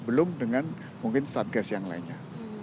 belum dengan mungkin satgas yang lainnya